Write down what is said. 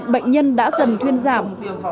bệnh nhân đã dần thuyên giảm